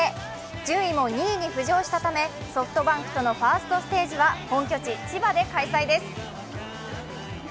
順位も２位に浮上したため、ソフトバンクとのファーストステージは本拠地・千葉で開催です。